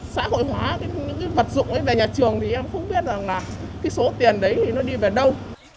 xã hội hóa những cái vật dụng ấy về nhà trường thì em cũng biết rằng là cái số tiền đấy thì nó đi về đâu